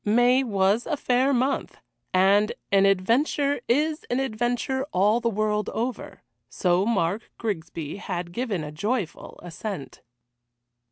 May was a fair month, and an adventure is an adventure all the world over, so Mark Grigsby had given a joyful assent.